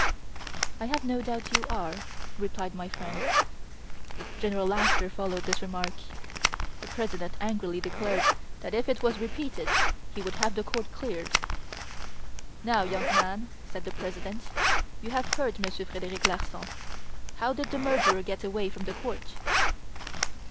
"I have no doubt you are," said my friend. General laughter followed this remark. The President angrily declared that if it was repeated, he would have the court cleared. "Now, young man," said the President, "you have heard Monsieur Frederic Larsan; how did the murderer get away from the court?"